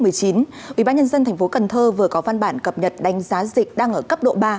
ubnd tp hcm vừa có văn bản cập nhật đánh giá dịch đang ở cấp độ ba